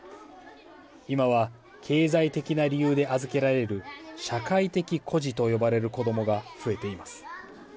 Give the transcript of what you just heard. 今は経済的な理由で預けられる社会的孤児と呼ばれる子どもが増えています。